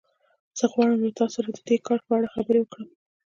زه غواړم له تاسو سره د دې کار په اړه خبرې وکړم